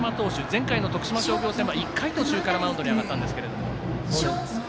前回の徳島商業戦は１回途中からマウンドに上がったんですけれども。